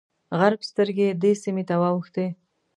غرب سترګې دې سیمې ته واوښتې.